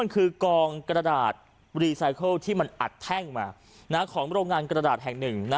ของโรงงานกระดาษแห่งหนึ่ง